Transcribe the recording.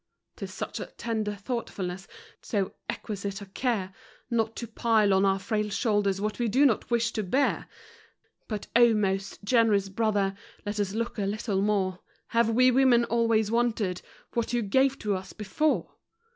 'T is such a tender thoughtfulness! So exquisite a care! Not to pile on our frail shoulders what we do not wish to bear! But, oh, most generous brother! Let us look a little more Have we women always wanted what you gave to us before?